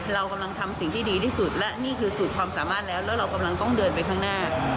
เรากำลังทำสิ่งที่ดีที่สุดและนี่คือสุดความสามารถแล้วแล้วเรากำลังต้องเดินไปข้างหน้า